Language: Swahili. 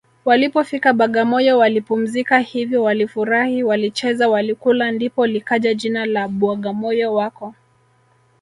Walipofika Bagamoyo walipumzika hivyo walifurahi walicheza walikula ndipo likaja jina la bwagamoyo wako